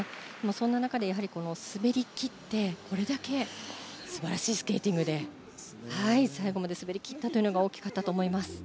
そんな中で滑り切ってこれだけ素晴らしいスケーティングで最後まで滑り切ったのが大きかったと思います。